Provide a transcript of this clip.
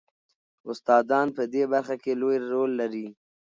استادان په دې برخه کې لوی رول لري.